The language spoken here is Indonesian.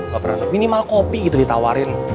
gak pernah minimal kopi gitu ditawarin